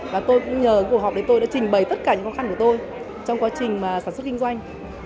và tôi cũng nhờ cuộc họp đấy tôi đã trình bày tất cả những khó khăn của tôi trong quá trình sản xuất kinh doanh